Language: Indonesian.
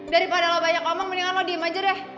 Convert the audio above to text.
daripada lu banyak ngomong mendingan lu diem aja deh